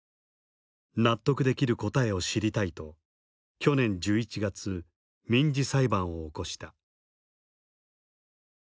納得できる答えを知りたいと去年１１月民事裁判を起こした。